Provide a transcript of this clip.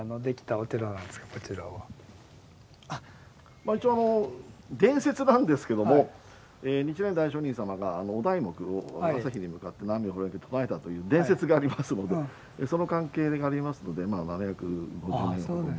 まあ一応伝説なんですけども日蓮大聖人様がお題目を朝日に向かって「南無妙法蓮」と唱えたという伝説がありますのでその関係がありますのでまあ７５０年ほど前。